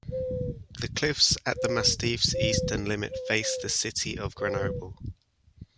The cliffs at the massif's eastern limit face the city of Grenoble.